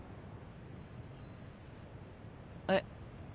えっ？